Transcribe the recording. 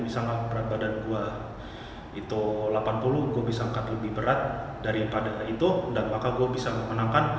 bisa mengangkat badan gua itu delapan puluh gue bisa angkat lebih berat daripada itu dan maka gue bisa menangkan